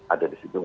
ada di situ